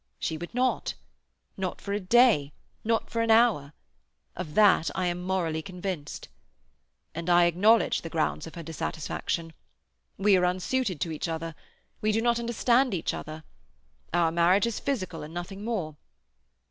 She would not. Not for a day, not for an hour. Of that I am morally convinced. And I acknowledge the grounds of her dissatisfaction. We are unsuited to each other. We do not understand each other. Our marriage is physical and nothing more.